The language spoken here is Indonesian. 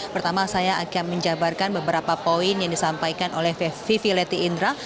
pertama saya akan menjabarkan beberapa poin yang disampaikan oleh vivi leti indra